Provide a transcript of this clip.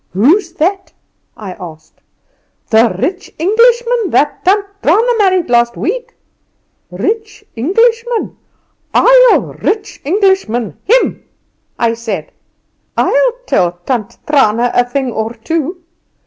'Who's that?' I asked. 'The rich Englishman that Tant Trana married last week.' 'Rich Englishman! I'll rich Englishman him,' I said; 'I'll tell Tant Trana a thing or two.